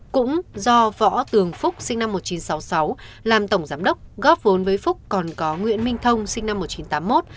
cũng do võ tường phúc sinh năm một nghìn chín trăm sáu mươi sáu làm tổng giám đốc góp vốn với phúc còn có nguyễn minh thông sinh năm một nghìn chín trăm tám mươi một